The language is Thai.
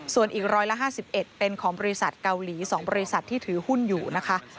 ส่วนอีก๑๕๑เป็นของบริษัทเกาหลี๒บริษัทที่ถือหุ้นอยู่นะคะ